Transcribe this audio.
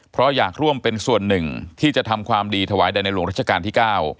เพราะอยากร่วมเป็นส่วนหนึ่งที่จะทำความดีถวายแด่ในหลวงรัชกาลที่๙